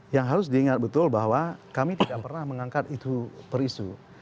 yang harus diingat betul bahwa kami tidak pernah mengangkat itu per isu